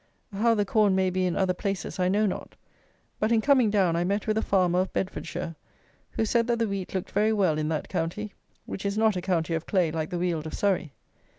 How the corn may be in other places I know not; but in coming down I met with a farmer of Bedfordshire, who said that the wheat looked very well in that county; which is not a county of clay, like the Weald of Surrey.